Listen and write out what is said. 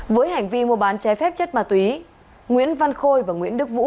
với hành vi mua bán trái phép chất ma túy nguyễn văn khôi và nguyễn đức vũ